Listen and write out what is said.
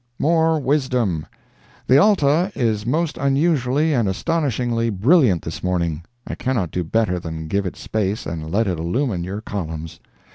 "MORE WISDOM" The Alta is most unusually and astonishingly brilliant this morning. I cannot do better than give it space and let it illumine your columns.